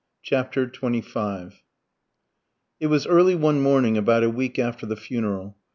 CHAPTER XXV It was early one morning about a week after the funeral.